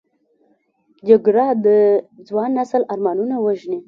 جګړه د ځوان نسل ارمانونه وژني